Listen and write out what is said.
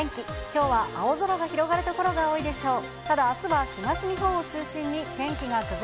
きょうは青空が広がる所が多いでしょう。